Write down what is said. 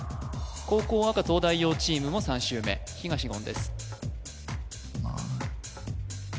後攻赤東大王チームも３周目東言です